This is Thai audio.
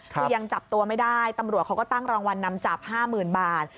คือยังจับตัวไม่ได้ตำรวจเขาก็ตั้งรางวัลนำจับ๕๐๐๐บาท